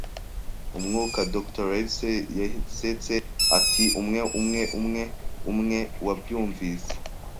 umwuka. Dr. Livesey yasetse ati: “Umwe umwe, umwe umwe.” “Wabyumvise